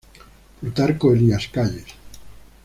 Plutarco Elías Calles.